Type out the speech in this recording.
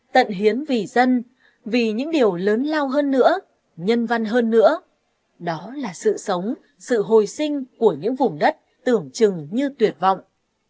tận hiến vì dân vì những điều lớn lao hơn nữa nhân văn hơn nữa đó là sự sống sự hồi sinh của những vùng đất tưởng chừng như tuyệt vọng